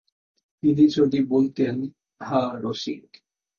তিনি যদি বলতেন, হাঁ– রসিক।